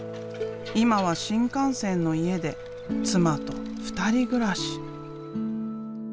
今は新幹線の家で妻と２人暮らし。